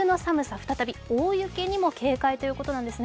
再び、大雪にも警戒ということなんですね。